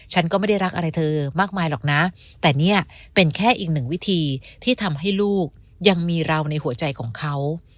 ฉันก็ไม่ได้รักอะไรเธอมากมายหรอกนะแต่เนี่ยเป็นแค่อีกหนึ่งวิธีที่ทำให้ลูกยังมีเราในหัวใจของเขา